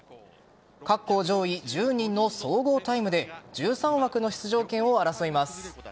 各校上位１０人の総合タイムで１３枠の出場権を争います。